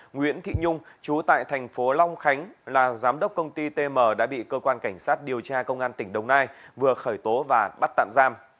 nguyễn thị nhung chú tại thành phố long khánh là giám đốc công ty tm đã bị cơ quan cảnh sát điều tra công an tỉnh đồng nai vừa khởi tố và bắt tạm giam